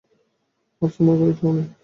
আজ তোমার ঘরে কেউ নেই।